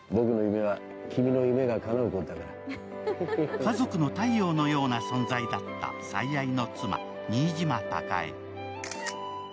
家族の太陽のような存在だった最愛の妻、新島貴恵。